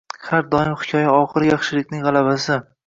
Har doim hikoya oxiri yaxshilikning g’alabasi